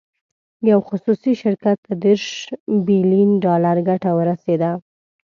یو خصوصي شرکت ته دېرش بیلین ډالر ګټه ورسېده.